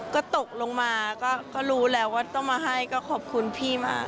ก็ตกลงมาก็รู้แล้วว่าต้องมาให้ก็ขอบคุณพี่มาก